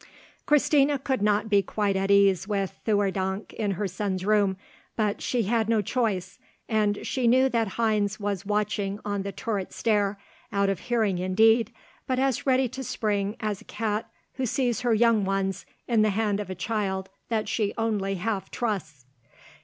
Christina could not be quite at ease with Theurdank in her son's room, but she had no choice, and she knew that Heinz was watching on the turret stair, out of hearing indeed, but as ready to spring as a cat who sees her young ones in the hand of a child that she only half trusts.